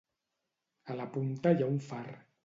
A la punta hi ha un far.